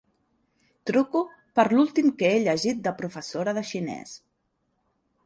Truco per l'últim que he llegit de professora de xinès.